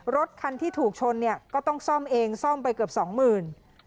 รถคันที่ถูกชนเนี่ยก็ต้องซ่อมเองซ่อมไปเกือบสองหมื่น